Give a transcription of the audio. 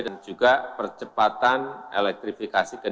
dan juga mengurangi penggunaan kendaraan berbasis fosil